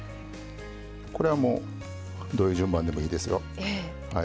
これはどういう順番でもいいですよ。